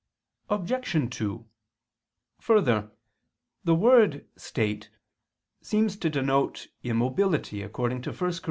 Obj. 2: Further, the word "state" seems to denote immobility according to 1 Cor.